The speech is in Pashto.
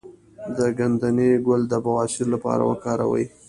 د ګندنه ګل د بواسیر لپاره وکاروئ